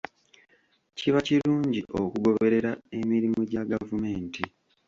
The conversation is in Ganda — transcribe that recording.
Kiba kirungi okugoberera emirimu gya gavumenti.